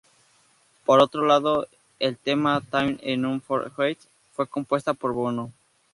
Por otro lado, el tema "Time Enough For Tears" fue compuesta por Bono.